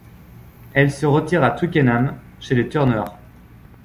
Elle se retire à Twickenham, chez les Turner.